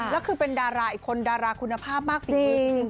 แล้วคือเป็นดาราอีกคนดาราคุณภาพมากจริง